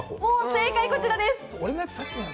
正解こちらです。